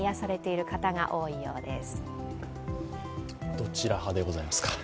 どちら派でございますか。